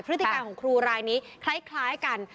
ฤติการของครูรายนี้คล้ายกัน